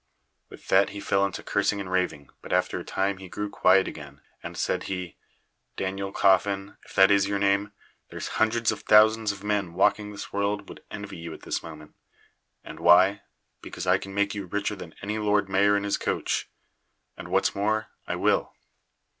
With that he fell into cursing and raving, but after a time he grew quiet again, and said he: "Daniel Coffin, if that is your name, there's hundreds of thousands of men walking this world would envy you at this moment. And why? Because I can make you richer than any Lord Mayor in his coach; and, what's more, I will."